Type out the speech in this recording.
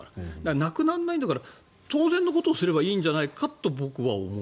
なくならないんだから当然のことをすればいいんじゃないかと僕は思う。